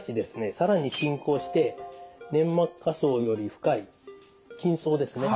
更に進行して粘膜下層より深い筋層ですね。